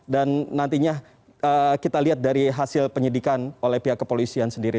dan nantinya kita lihat dari hasil penyidikan oleh pihak kepolisian sendiri